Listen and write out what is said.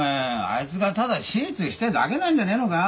あいつがただ手術したいだけなんじゃねえのか？